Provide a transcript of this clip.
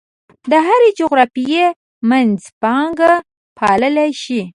د هرې جغرافیې منځپانګه پاللی شي.